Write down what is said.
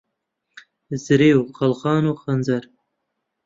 زرێ و قەلغان و خەنجەر